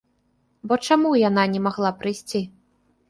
Бо чаму яна не магла прыйсці?